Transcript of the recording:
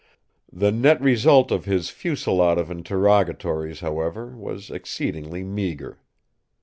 The net result of his fusillade of interrogatories, however, was exceedingly meagre.